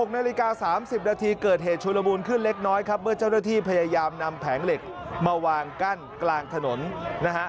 ๖นาฬิกา๓๐นาทีเกิดเหตุชุลมูลขึ้นเล็กน้อยครับเมื่อเจ้าหน้าที่พยายามนำแผงเหล็กมาวางกั้นกลางถนนนะฮะ